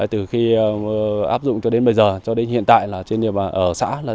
từ khi áp dụng cho đến bây giờ cho đến hiện tại trên địa bàn xã